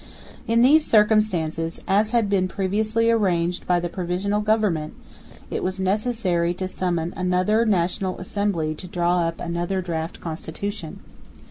In these circumstances, as had been previously arranged by the Provisional Government, it was necessary to summon another National Assembly to draw up another draft Constitution.